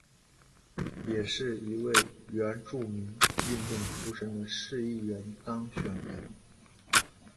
也是第一位原住民运动出身的市议员当选人。